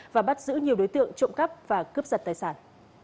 và bắt giữ nhiều đối tượng trộm cắp và cướp giật tài sản